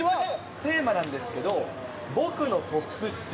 テーマなんですけど、僕のトップ３。